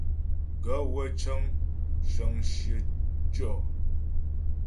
Gaə̂ wə́ cə́ŋ shə́ŋ shyə tyɔ̀.